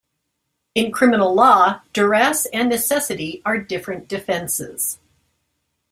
In criminal law, duress and necessity are different defenses.